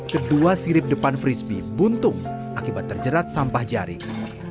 kedua sirip depan frisbee buntung akibat terjerat sampah jaring